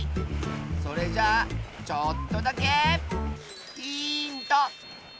それじゃあちょっとだけヒント！